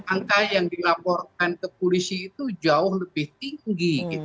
angka yang dilaporkan ke polisi itu jauh lebih tinggi